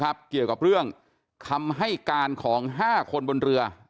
เกี่ยวกับเรื่องคำให้การของ๕คนบนเรือ